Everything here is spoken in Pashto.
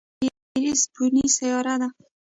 د ایرېس بونې سیاره ده.